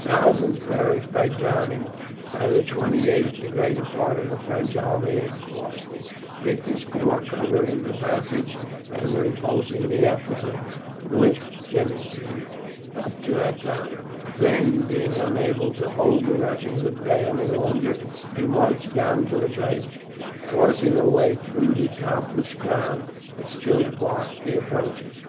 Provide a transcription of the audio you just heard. Thousands perished by drowning. By the 28th the greater part of the French army had crossed, Victor's corps covering the passage and repulsing the efforts of Wittgenstein up to that time; then being unable to hold the Russians at bay any longer he marched down to the bridge, forcing a way through the helpless crowd that still blocked the approaches.